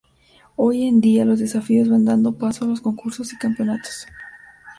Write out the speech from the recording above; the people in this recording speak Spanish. Hoy en día los desafíos van dando paso a los concursos y campeonatos.